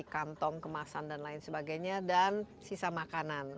kantong kemasan dan lain sebagainya dan sisa makanan